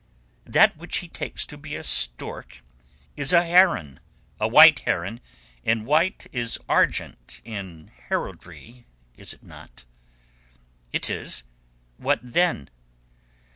"That which he takes to be a stork is a heron—a white heron, and white is argent in heraldry, is't not?" "It is. What then?"